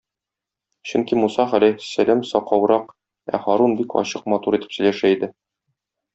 Чөнки Муса галәйһиссәлам сакаурак, ә Һарун бик ачык, матур итеп сөйләшә иде.